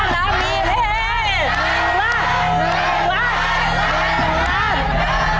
ตอนที่ดูกล้านนะมีเทศ